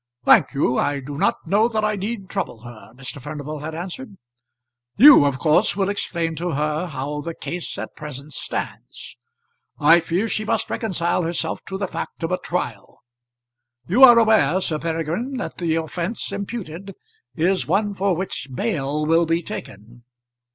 "Thank you; I do not know that I need trouble her," Mr. Furnival had answered. "You of course will explain to her how the case at present stands. I fear she must reconcile herself to the fact of a trial. You are aware, Sir Peregrine, that the offence imputed is one for which bail will be taken.